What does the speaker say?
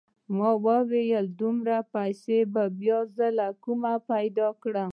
ما وويل دومره پيسې به بيا زه له کومه پيدا کم.